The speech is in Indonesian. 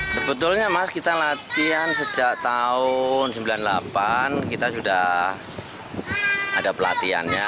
sebetulnya mas kita latihan sejak tahun seribu sembilan ratus sembilan puluh delapan kita sudah ada pelatihannya